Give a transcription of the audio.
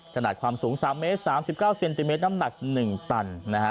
ขนาดความสูง๓เมตร๓๙เซนติเมตรน้ำหนัก๑ตันนะฮะ